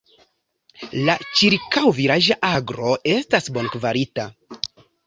La ĉirkaŭ-vilaĝa agro estas bonkvalita.